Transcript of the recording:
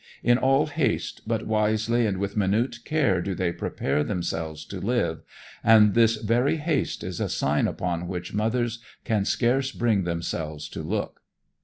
In all haste, but wisely and with minute care do they prepare themselves to live, and this very haste is a sign upon which mothers can scarce bring themselves to look."